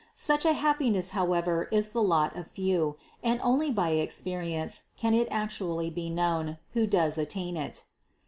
Such a happiness however is the lot of few, and only by ex perience can it actually be known, who does attain it.